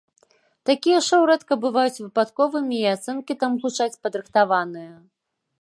Такія шоу рэдка бываюць выпадковымі і ацэнкі там гучаць падрыхтаваныя.